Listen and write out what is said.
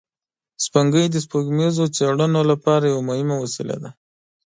سپوږمۍ د سپوږمیزو څېړنو لپاره یوه مهمه وسیله ده